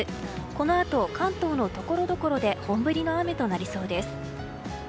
このあと、関東のところどころで本降りの雨となりそうです。